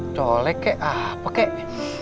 colek kek apa kek